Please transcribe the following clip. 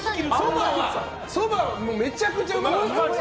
そばはめちゃくちゃうまかった。